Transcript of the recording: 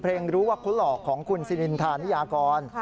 เพลงรู้ว่าคุณหลอกของคุณซิรินทร์ธานิยากร